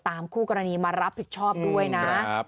คู่กรณีมารับผิดชอบด้วยนะ